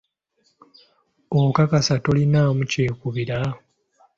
Okakasa, tolinaamu kyekubiira?